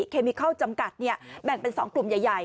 เคมิเคิลจำกัดแบ่งเป็น๒กลุ่มใหญ่